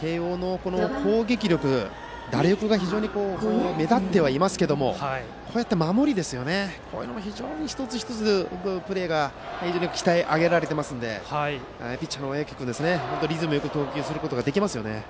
慶応の攻撃力、打力が非常に目立ってはいますけどもこうして守りというのも一つ一つのプレーが非常に鍛え上げられていますのでピッチャーの小宅君、リズムよく投球することができますよね。